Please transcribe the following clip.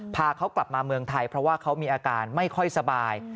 พาเขากลับมาเมืองไทยเพราะว่าเขามีอาการไม่ค่อยสบาย